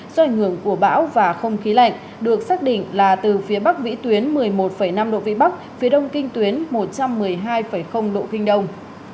do ảnh hưởng của bão và không khí lạnh được xác định là từ phía bắc vĩ tuyến một mươi một năm độ vĩ bắc phía đông kinh tuyến một trăm một mươi hai độ kinh đông